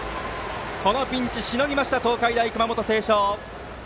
このピンチをしのぎました東海大熊本星翔。